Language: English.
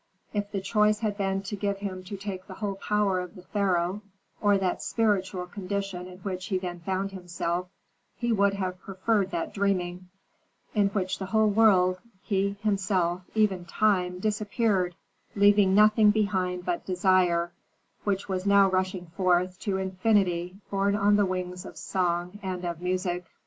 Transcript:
If the choice had been given him to take the whole power of the pharaoh, or that spiritual condition in which he then found himself, he would have preferred that dreaming, in which the whole world, he himself, even time, disappeared, leaving nothing behind but desire, which was now rushing forth to infinity borne on the wings of song and of music.